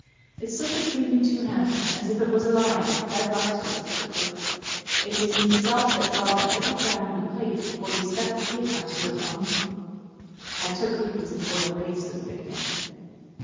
"It slipped between me two hands as if it was alive, bad luck to it," said the cook; "and it was meself that saw the heavy crack in the plate before you set the cake onto it, mum!" I took cookies and boiled eggs to the picnic.